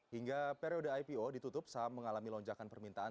hingga periode ipo ditutup saham mengalami lonjakan permintaan